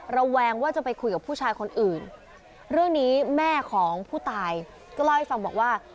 ระแวงว่าจะไปคุยกับผู้ชายคนอื่นเรื่องนี้แม่ของผู้ตายก็เล่าให้ฟังบอกว่า